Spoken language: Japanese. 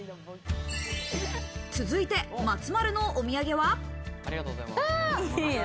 続いて松丸のお土産は？